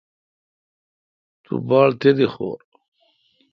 تو باڑ تیدی خور۔